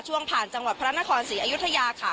ผ่านจังหวัดพระนครศรีอยุธยาค่ะ